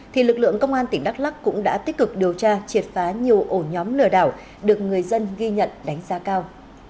thì lực lượng công an tỉnh đắk lắc cũng đã tích cực điều tra triệt phá nhiều ổ nhóm lừa đảo được người dân ghi nhận đánh giá cao